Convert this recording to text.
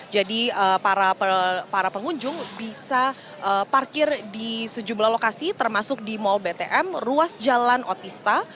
jadi para pengunjung bisa parkir di sejumlah lokasi termasuk di mall btm ruas jalan otista